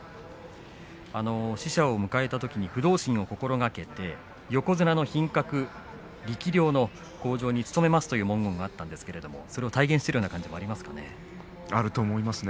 使者を迎えたときに不動心を心がけて横綱の品格、力量の向上に努めますという文言だったんですが、それを体現している感じがありますかね。